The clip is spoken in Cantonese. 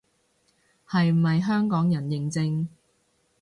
係咪香港人認證